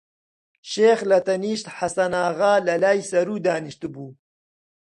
شێخ لەتەنیشت حەسەناغا لە لای سەروو دانیشتبوو